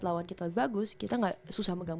lawan kita lebih bagus kita nggak susah megang